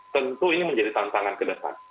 tentu ini menjadi tantangan ke depan